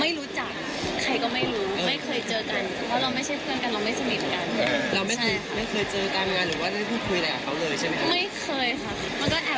ไม่รู้จักใครก็ไม่รู้ไม่เคยเจอกัน